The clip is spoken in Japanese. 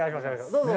どうぞ。